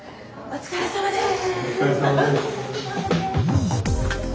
お疲れさまです。